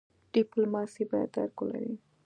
ډيپلومات بايد درک ولري.